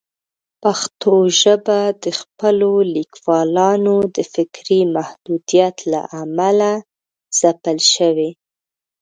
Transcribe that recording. پښتو ژبه د خپلو لیکوالانو د فکري محدودیت له امله ځپل شوې.